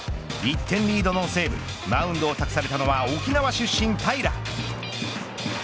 １点リードの西武マウンドを託されたのは沖縄出身の平良。